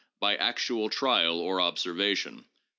by actual trial or observation.